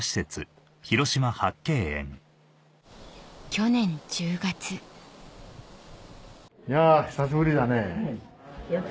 去年１０月やあ久しぶりだね。